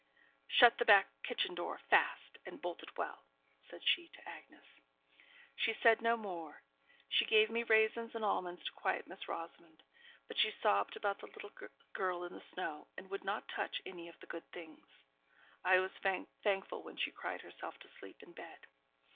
'Shut the back kitchen door fast, and bolt it well,' said she to Agnes. She said no more; she gave me raisins and almonds to quiet Miss Rosamond; but she sobbed about the little girl in the snow, and would not touch any of the good things. I was thankful when she cried herself to sleep in bed.